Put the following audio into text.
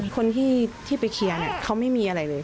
คนที่ไปเคลียร์เขาไม่มีอะไรเลย